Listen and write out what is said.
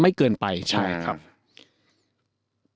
เกินไปใช่ครับ